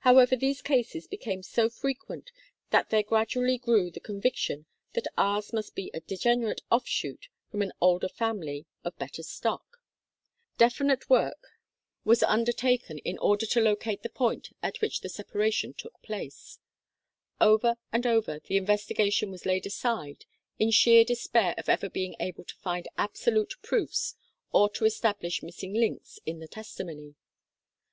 However, these cases became so frequent that there gradually grew the con viction that ours must be a degenerate offshoot from an older family of better stock. Definite work was LAST HOME OF MILLARD KALLIKAK. ESTHER, DAUGHTER OF " DADDY " KALLIKAK THE DATA 17 undertaken in order to locate the point at which the separation took place. Over and over, the investiga tion was laid aside in sheer despair of ever being able to find absolute proofs or to establish missing links in the testimony.